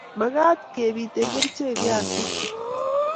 Makat kepite kerchek viazik chu